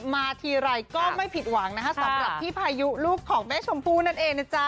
มาทีไรก็ไม่ผิดหวังนะคะสำหรับพี่พายุลูกของแม่ชมพู่นั่นเองนะจ๊ะ